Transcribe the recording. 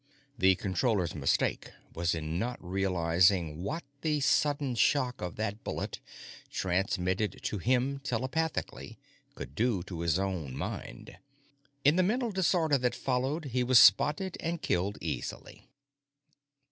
The Controller's mistake was in not realizing what the sudden shock of that bullet, transmitted to him telepathically, could do to his own mind. In the mental disorder that followed, he was spotted and killed easily.